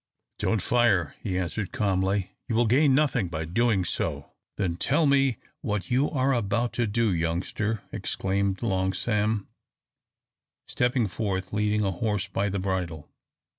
"Don't fire," he answered, calmly, "you will gain nothing by so doing!" "Then tell me what you are about to do, youngster," exclaimed Long Sam, stepping forth, leading a horse by the bridle.